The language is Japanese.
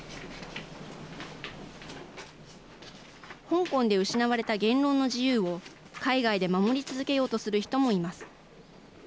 香港で失われた言論の自由を海外で守り続けようとする人もいます。